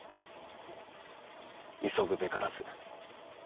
「急ぐべからず」。